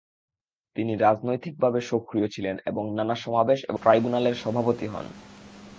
তিনি রাজনৈতিকভাবে সক্রিয় ছিলেন এবং নানা সমাবেশ এবং ট্রাইব্যুনালের সভাপতি হন।